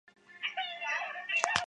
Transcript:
殿试登进士第三甲第三十名。